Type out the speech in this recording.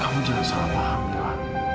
kamu jangan salah paham mila